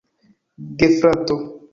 gefrato